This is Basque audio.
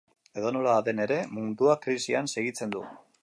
Edonola den ere, munduak krisian segitzen du.